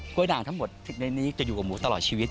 ด่างทั้งหมดในนี้จะอยู่กับหมูตลอดชีวิต